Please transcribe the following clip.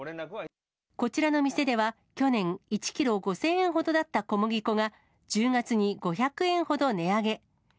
こちらの店では去年、１キロ５０００円ほどだった小麦粉が、１０月に５００円ほど値上げ。